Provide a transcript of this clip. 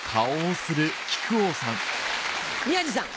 宮治さん。